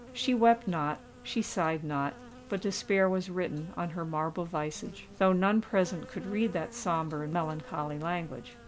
She wept not—she sighed not: but despair was written on her marble visage—though none present could read that sombre and melancholy language.